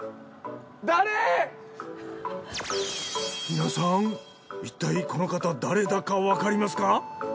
皆さんいったいこの方誰だかわかりますか？